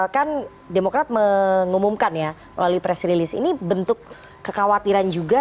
kan demokrat mengumumkan ya melalui press release ini bentuk kekhawatiran juga